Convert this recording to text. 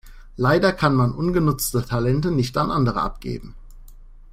Leider kann man ungenutzte Talente nicht an andere abgeben.